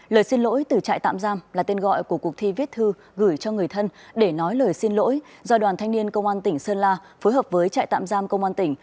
lời xin lỗi từ trại tạm giam là tên gọi của cuộc thi viết thư gửi cho người thân để nói lời xin lỗi do đoàn thanh niên công an tỉnh sơn la phối hợp với trại tạm giam công an tỉnh